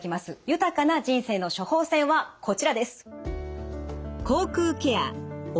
豊かな人生の処方箋はこちらです。